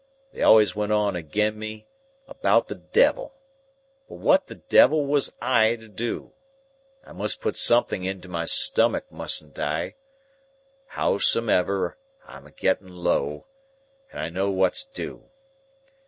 They always went on agen me about the Devil. But what the Devil was I to do? I must put something into my stomach, mustn't I?—Howsomever, I'm a getting low, and I know what's due.